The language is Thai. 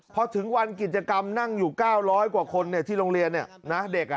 พอถึงวันกิจกรรมนั่งอยู่๙๐๐กว่าคนที่โรงเรียนเด็ก